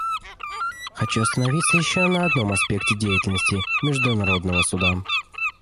Хочу остановиться еще на одном аспекте деятельности Международного Суда.